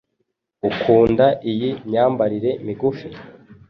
Ukunda iyi myambarire migufi?